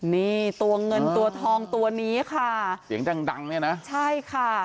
นี่ตัวเงินตัวทองตัวนี้ค่ะเสียงดังดังเนี่ยนะใช่ค่ะ